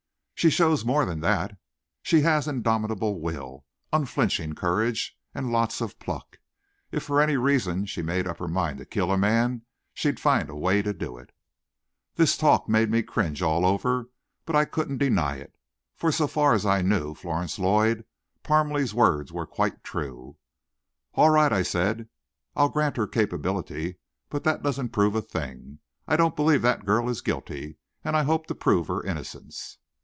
"She shows more than that; she has indomitable will, unflinching courage, and lots of pluck. If, for any reason, she made up her mind to kill a man, she'd find a way to do it." This talk made me cringe all over, but I couldn't deny it, for so far as I knew Florence Lloyd, Parmalee's words were quite true. "All right," I said, "I'll grant her capability, but that doesn't prove a thing. I don't believe that girl is guilty, and I hope to prove her innocence."